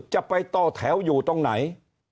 จะไปต่อแถวอยู่ตรงไหน